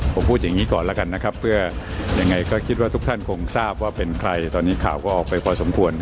ผมพูดอย่างนี้ก่อนแล้วกันนะครับเพื่อยังไงก็คิดว่าทุกท่านคงทราบว่าเป็นใครตอนนี้ข่าวก็ออกไปพอสมควร